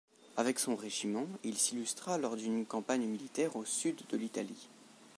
Avec son régiment, il s’illustra lors d’une campagne militaire au sud de l’Italie.